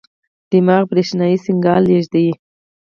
دماغ برېښنايي سیګنال لېږي.